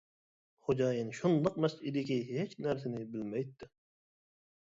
خوجايىن شۇنداق مەست ئىدىكى، ھېچ نەرسىنى بىلمەيتتى.